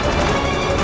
aku akan menangkapmu